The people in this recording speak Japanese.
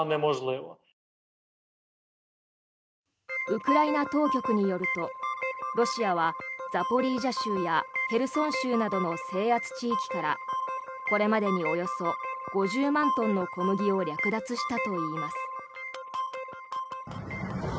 ウクライナ当局によるとロシアはザポリージャ州やヘルソン州などの制圧地域からこれまでにおよそ５０万トンの小麦を略奪したといいます。